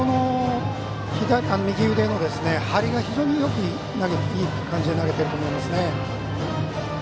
右腕の振りが非常にいい感じで投げていると思いますね。